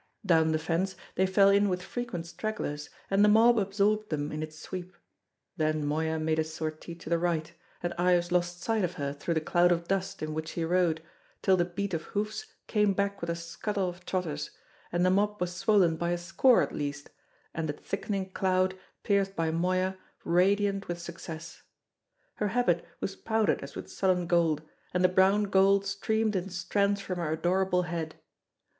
Down the fence they fell in with frequent stragglers, and the mob absorbed them in its sweep; then Moya made a sortie to the right, and Ives lost sight of her through the cloud of dust in which she rode, till the beat of hoofs came back with a scuttle of trotters, and the mob was swollen by a score at least, and the thickening cloud pierced by Moya radiant with success. Her habit was powdered as with sullen gold, and the brown gold streamed in strands from her adorable head.